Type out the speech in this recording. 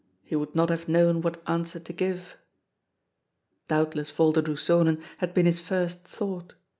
He would not have known what answer to give. Doubtless Volderdoes Zonen had been his first thought.